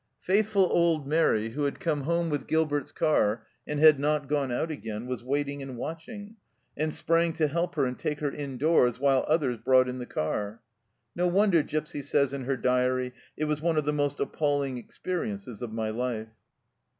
Faithful little Mairi, who had come home with Gilbert's car and not gone out again, was waiting and watching, and sprang to help her and take her indoors while others brought in the car. No wonder Gipsy says in her diary, " It was one of the most appalling experiences of my life